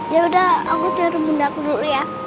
yaudah aku cari bunda aku dulu ya